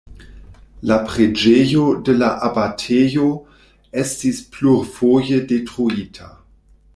La preĝejo de la abatejo estis plurfoje detruita.